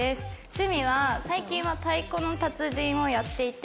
趣味は最近は『太鼓の達人』をやっていて。